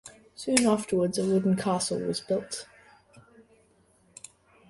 Soon afterwards a wooden castle was built.